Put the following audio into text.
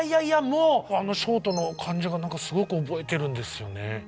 もうあのショートの感じがすごく覚えてるんですよね。